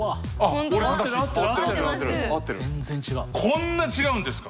こんな違うんですか！